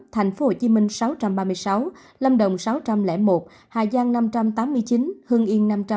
thành phố hồ chí minh sáu trăm ba mươi sáu lâm đồng sáu trăm linh một hà giang năm trăm tám mươi chín hương yên năm mươi chín